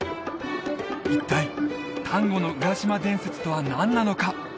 一体丹後の浦島伝説とは何なのか？